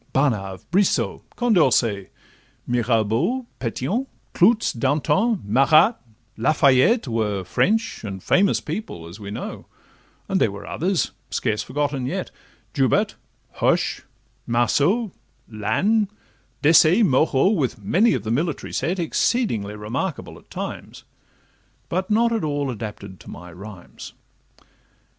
Barnave, Brissot, Condorcet, Mirabeau, Petion, Clootz, Danton, Marat, La Fayette, Were French, and famous people, as we know: And there were others, scarce forgotten yet, Joubert, Hoche, Marceau, Lannes, Desaix, Moreau, With many of the military set, Exceedingly remarkable at times, But not at all adapted to my rhymes.